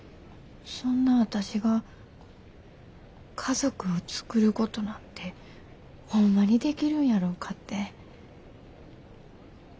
そんな私が家族を作ることなんてホンマにできるんやろうかって。